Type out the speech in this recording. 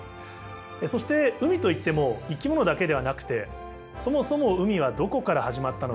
そして海といっても生き物だけではなくてそもそも海はどこから始まったのか。